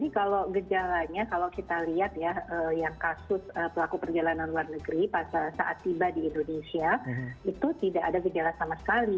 kalau gejalanya kalau kita lihat ya yang kasus pelaku perjalanan luar negeri saat tiba di indonesia itu tidak ada gejala sama sekali